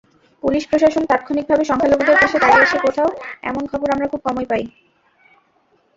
পুলিশ-প্রশাসন তাৎক্ষণিকভাবে সংখ্যালঘুদের পাশে দাঁড়িয়েছে কোথাও—এমন খবর আমরা খুব কমই পাই।